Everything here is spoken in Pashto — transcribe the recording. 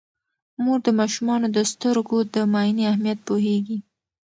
مور د ماشومانو د سترګو د معاینې اهمیت پوهیږي.